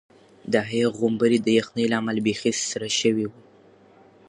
د هغې غومبوري د یخنۍ له امله بیخي سره شوي وو.